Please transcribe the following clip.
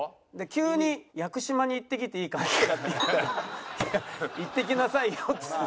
急に「屋久島に行ってきていいかな？」とかって言うから「行ってきなさいよ」っつって。